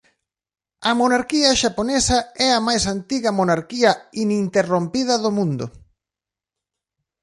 A monarquía xaponesa é a máis antiga monarquía ininterrompida do mundo.